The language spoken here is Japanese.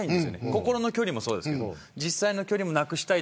心の距離もそうですが実際の距離もなくしたい。